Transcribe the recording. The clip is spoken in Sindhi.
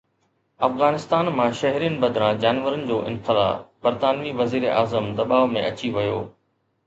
افغانستان مان شهرين بدران جانورن جو انخلاء، برطانوي وزيراعظم دٻاءُ ۾ اچي ويو